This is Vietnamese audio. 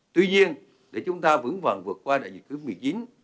tuy nhiên để chúng ta vững vòng vượt qua đại dịch thứ một mươi chín